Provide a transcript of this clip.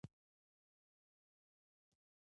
آا ب پ ت ټ ث ج ح چ خ څ